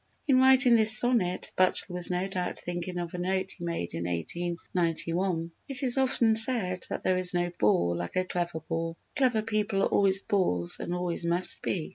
In writing this sonnet Butler was no doubt thinking of a note he made in 1891: "It is often said that there is no bore like a clever bore. Clever people are always bores and always must be.